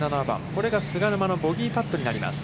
これが菅沼のボギーパットになります。